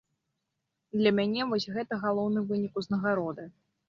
Для мяне вось гэта галоўны вынік узнагароды.